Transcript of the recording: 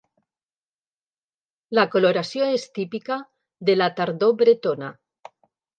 La coloració és típica de la tardor bretona.